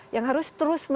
yang harus terus melakukan